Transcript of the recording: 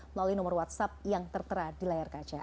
melalui nomor whatsapp yang tertera di layar kaca